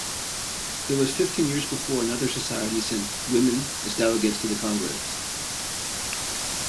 It was fifteen years before another society sent women as delegates to the congress.